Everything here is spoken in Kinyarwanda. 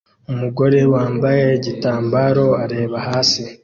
Umugore wambaye igitambaro areba hasi